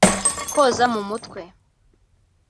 koza mu mutwe